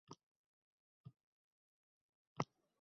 “Ota sevgisi” degani shakkoklikka o’tib ketadi.